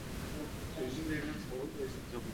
Shu uchunmi shoʻx-shodon kulgular jaranglagan